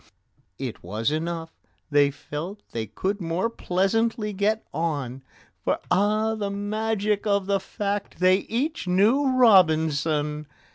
It was enough: they felt they could more pleasantly get on, For (ah, the magic of the fact!) they each knew ROBINSON!